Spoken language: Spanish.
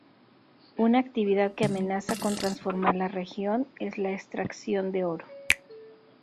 Una actividad que amenaza con transformar la región es la extracción de oro.